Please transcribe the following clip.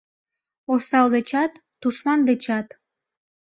Осал дечат, тушман дечат